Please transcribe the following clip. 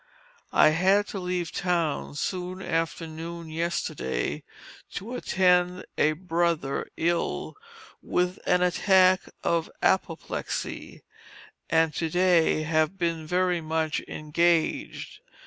I had to leave town soon after noon yesterday to attend a brother ill with an attack of apoplexy, and to day I have been very much engaged.